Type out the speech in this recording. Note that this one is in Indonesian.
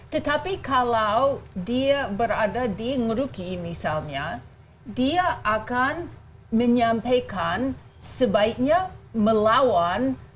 tetapi kalau dia berada di ngeruki misalnya dia akan menyampaikan sebaiknya melawan